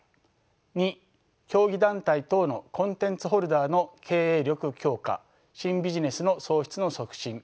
２競技団体等のコンテンツホルダーの経営力強化新ビジネスの創出の促進。